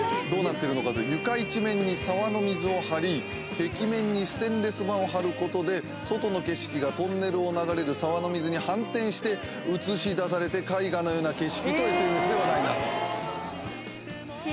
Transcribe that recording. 床一面に沢の水を張り壁面にステンレス板を張ることで外の景色がトンネルを流れる沢の水に反転して映し出されて絵画のような景色とＳＮＳで話題に。